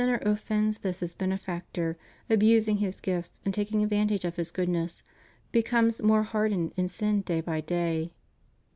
437 ner offends this his Benefactor, abusing His gifts; and taking advantage of His goodness becomes more hardened in sin day by day.